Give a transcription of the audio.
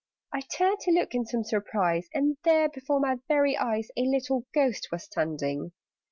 I turned to look in some surprise, And there, before my very eyes, A little Ghost was standing!